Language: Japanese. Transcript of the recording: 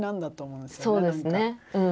そうですねうん。